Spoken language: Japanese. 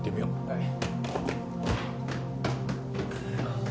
はい。